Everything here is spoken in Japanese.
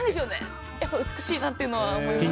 美しいなっていうのは思います。